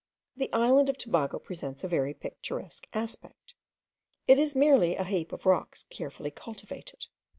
The island of Tobago presents a very picturesque aspect. It is merely a heap of rocks carefully cultivated.